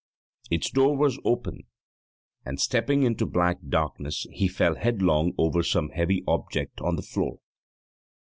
Its door was open, and stepping into black darkness he fell headlong over some heavy object on the floor.